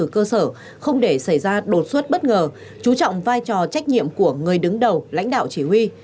cơ sở không để xảy ra đột xuất bất ngờ chú trọng vai trò trách nhiệm của người đứng đầu lãnh đạo chỉ huy